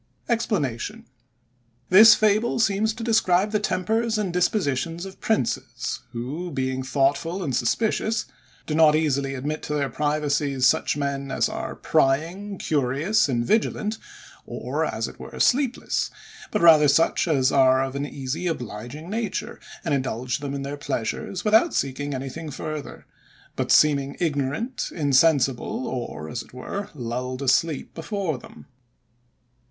EXPLANATION.—This fable seems to describe the tempers and dispositions of princes, who, being thoughtful and suspicious, do not easily admit to their privacies such men as are prying, curious, and vigilant, or, as it were, sleepless; but rather such as are of an easy, obliging nature, and indulge them in their pleasures, without seeking anything further; but seeming ignorant, insensible, or, as it were, lulled asleep before them.